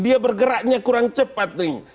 dia bergeraknya kurang cepat nih